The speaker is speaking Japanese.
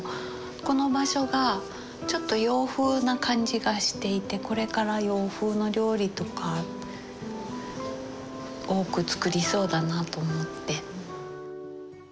この場所がちょっと洋風な感じがしていてこれから洋風の料理とか多く作りそうだなと思って。